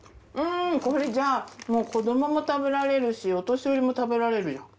うんこれじゃあもう子どもも食べられるしお年寄りも食べられるよ。